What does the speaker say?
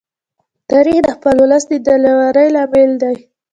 تاریخ د خپل ولس د دلاوري لامل دی.